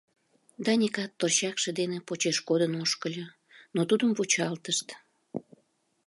Даникат торчакше дене почеш кодын ошкыльо, но тудым вучалтышт.